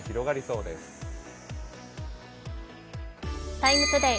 「ＴＩＭＥ，ＴＯＤＡＹ」